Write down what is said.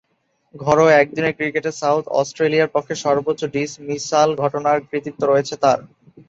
ঘরোয়া একদিনের ক্রিকেটে সাউথ অস্ট্রেলিয়ার পক্ষে সর্বোচ্চ ডিসমিসাল ঘটানোর কৃতিত্ব রয়েছে তার।